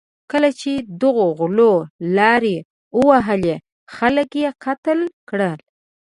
کله چې دغو غلو لارې ووهلې، خلک یې قتل کړل.